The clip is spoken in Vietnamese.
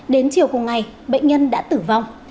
đến chiều cùng ngày bệnh nhân đã tử vong